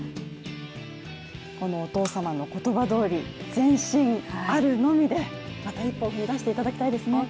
お父様の言葉どおり、前進あるのみでまた一歩を踏み出していただきたいですね。